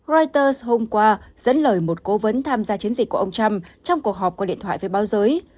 reuters hôm qua dẫn lời một cố vấn tham gia chiến dịch của ông trump trong cuộc họp của điện thoại với báo giới